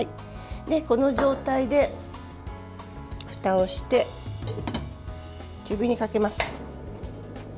この状態でふたをして中火にかけます。